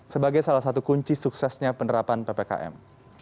sebagai salah satu kunci suksesnya penerapan ppkm